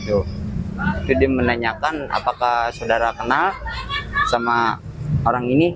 itu dia menanyakan apakah saudara kenal sama orang ini